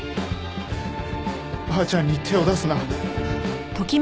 ばあちゃんに手を出すな。